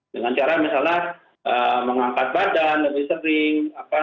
dengan cara misalnya mengangkat badan lebih sering